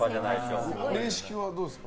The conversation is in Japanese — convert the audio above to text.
面識はどうですか？